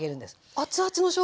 熱々のしょうが